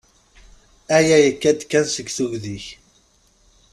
Aya yekka-d kan seg tugdi-ik.